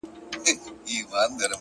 گوره خندا مه كوه مړ به مي كړې ـ